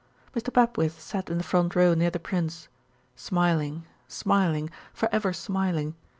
Mr. Papwith sat in the front row near the Prince. Smiling, smiling, for ever smiling.